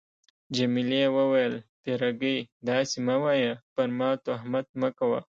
جميلې وويل: فرګي، داسي مه وایه، پر ما تهمت مه کوه.